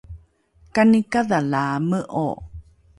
kani kadhalaame’o?